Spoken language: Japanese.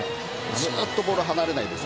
ずっとボールが離れないです。